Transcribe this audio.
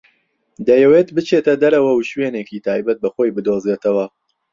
دەیەوێت بچێتە دەرەوە و شوێنێکی تایبەت بە خۆی بدۆزێتەوە.